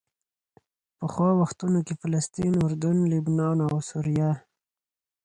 پخوا وختونو کې فلسطین، اردن، لبنان او سوریه.